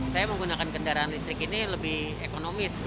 saya menggunakan kendaraan listrik ini lebih ekonomis